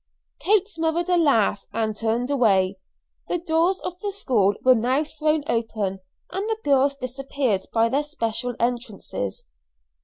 Kate smothered a laugh and turned away. The doors of the school were now thrown open, and the girls disappeared by their special entrances.